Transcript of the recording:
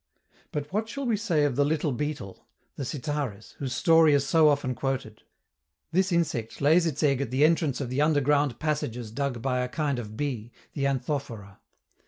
But what shall we say of the little beetle, the Sitaris, whose story is so often quoted? This insect lays its eggs at the entrance of the underground passages dug by a kind of bee, the Anthophora.